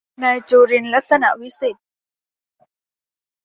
นายจุรินทร์ ลักษณวิศิษฏ์